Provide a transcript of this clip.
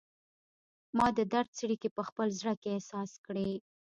ما د درد څړیکې په خپل زړه کې احساس کړي